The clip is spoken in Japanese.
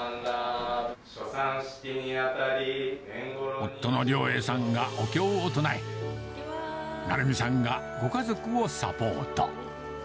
夫の了瑛さんがお経を唱え、成美さんがご家族をサポート。